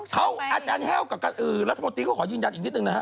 เขาอาจารย์แห้วกับรัฐมนตรีก็ขอยืนยันอีกนิดนึงนะฮะ